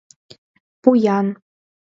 — Пу-ян!